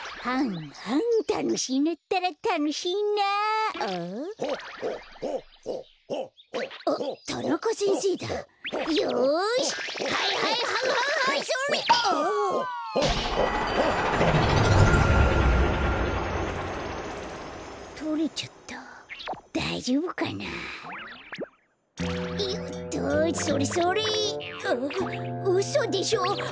あっうそでしょ？